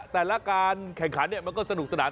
แต่ละการแข่งขันมันก็สนุกสนาน